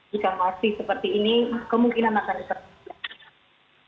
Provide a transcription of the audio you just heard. jika masih seperti ini kemungkinan akan bisa